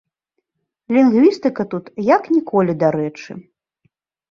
Лінгвістыка тут як ніколі дарэчы.